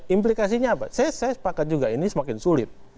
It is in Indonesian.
implikasinya apa saya sepakat juga ini semakin sulit